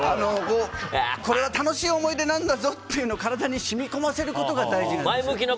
これは楽しい思い出なんだぞってことを体にしみこませることが大事なんです。